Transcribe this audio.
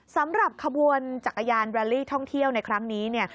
สำหรับขบวนจักรยานแรลลี่ท่องเที่ยวในครั้งนี้เนี่ย